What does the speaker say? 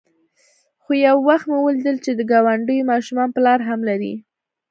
خو يو وخت مې وليدل چې د گاونډيو ماشومان پلار هم لري.